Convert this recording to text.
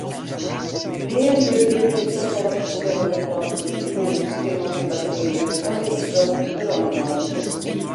Nearne libje safolle ferskillende planten, dieren, skimmels en baktearjes as yn de tropyske reinwâlden.